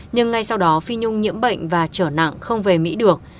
nhưng ngay sau đó phi nhung nhiễm bệnh và trở nặng không về mỹ được